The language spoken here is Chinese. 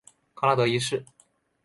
康拉德一世。